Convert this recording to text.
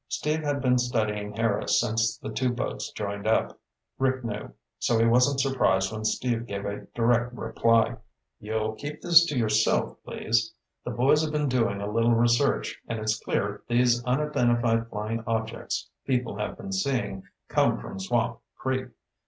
Steve had been studying Harris since the two boats joined up, Rick knew, so he wasn't surprised when Steve gave a direct reply. "You'll keep this to yourself, please. The boys have been doing a little research, and it's clear these unidentified flying objects people have been seeing come from Swamp Creek.